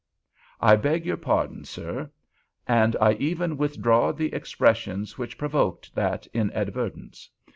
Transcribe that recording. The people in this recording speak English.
I beg your pardon, sir, and I even withdraw the expressions which provoked that inadvertence.